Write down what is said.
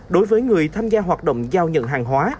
đối với người tham gia hoạt động giao nhận hàng hóa